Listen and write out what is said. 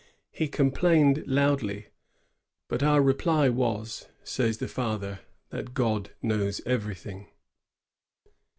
He complained loudly; bat our reply was," says the father, ^that God knew eveiything."